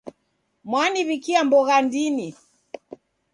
Mwaniw'ikia mbogha ndini.